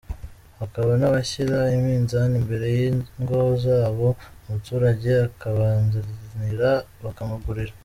Hakaba n’abashyira iminzani imbere y’ingo zabo umuturage akabazanira bakamugurira.